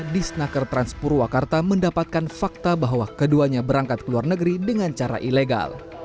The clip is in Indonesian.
di snaker trans purwakarta mendapatkan fakta bahwa keduanya berangkat ke luar negeri dengan cara ilegal